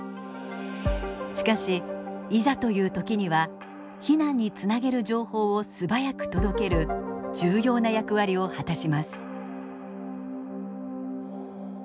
しかしいざという時には避難につなげる情報を素早く届ける重要な役割を果たします。